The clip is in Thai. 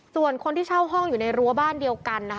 ส่วนคนที่เช่าห้องอยู่ในรั้วบ้านเดียวกันนะคะ